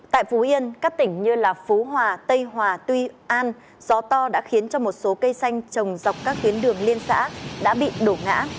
tại phú yên các tỉnh như phú hòa tây hòa tuy an gió to đã khiến cho một số cây xanh trồng dọc các tuyến đường liên xã đã bị đổ ngã